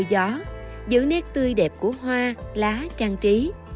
gió giữ nét tươi đẹp của hoa lá trang trí